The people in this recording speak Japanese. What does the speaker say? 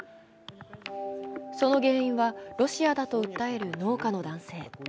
その原因はロシアだと訴える農家の男性。